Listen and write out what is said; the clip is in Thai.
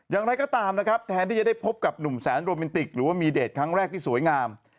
อย่างไรก็ตามนะครับแทนที่จะได้พบกับหนุ่มแสนโรแมนติกหรือว่ามีเดทครั้งแรกที่สวยงาม